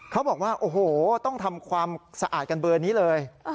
เขาบอกว่าโอ้โหต้องทำความสะอาดกันเบอร์นี้เลย